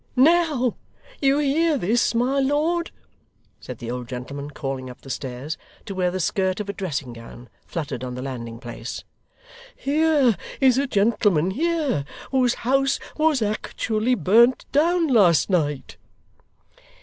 'Now, you hear this, my lord?' said the old gentleman, calling up the stairs, to where the skirt of a dressing gown fluttered on the landing place. 'Here is a gentleman here, whose house was actually burnt down last night.